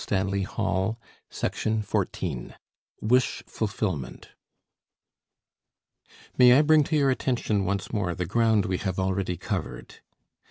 FOURTEENTH LECTURE THE DREAM Wish Fulfillment May I bring to your attention once more the ground we have already covered?